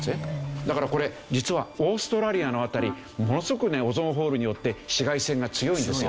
だからこれ実はオーストラリアの辺りものすごくねオゾンホールによって紫外線が強いんですよ。